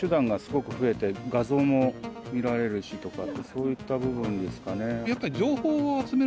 そういった部分ですかね。